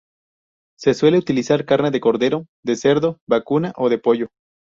Se suele utilizar carne de cordero, de cerdo, vacuna o de pollo.